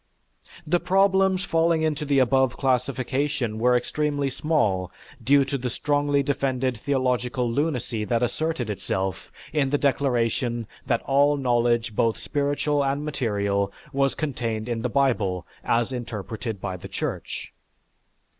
The problems falling into the above classification were extremely small due to the strongly defended theological lunacy that asserted itself in the declaration that all knowledge both spiritual and material was contained in the Bible as interpreted by the Church.